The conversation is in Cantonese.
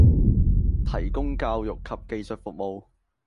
提供教育及技術服務